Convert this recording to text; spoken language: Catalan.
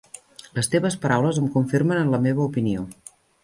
Les teves paraules em confirmen en la meva opinió.